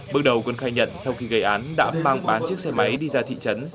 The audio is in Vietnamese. bước đầu quân khai nhận sau khi gây án đã mang bán chiếc xe máy đi ra thị trấn